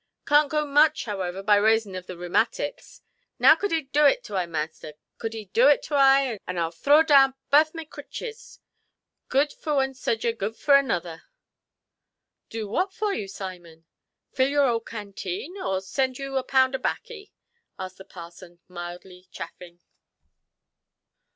"Canʼt goo much, howiver, by rason of the rhymatics. Now cud 'e do it to I, measter? cud 'e do it to I, and Iʼll thraw down bath my critches? Good vor one sojer, good vor anoother". "Do what for you, Simon? Fill your old canteen, or send you a pound of baccy"? asked the parson, mildly chaffing.